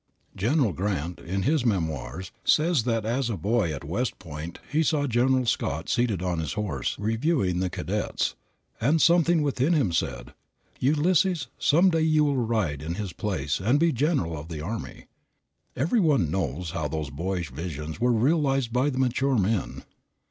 General Grant, in his "Memoirs," says that as a boy at West Point, he saw General Scott seated on his horse, reviewing the cadets, and something within him said, "Ulysses, some day you will ride in his place and be general of the army." Every one knows how those boyish visions were realized by the mature men.